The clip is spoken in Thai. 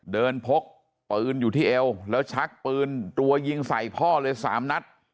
พกปืนอยู่ที่เอวแล้วชักปืนรัวยิงใส่พ่อเลย๓นัด